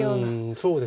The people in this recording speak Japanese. そうですね。